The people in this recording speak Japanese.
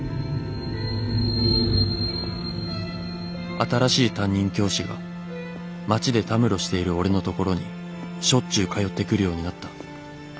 「新しい担任教師が街でたむろしている俺のところにしょっちゅう通ってくるようになった。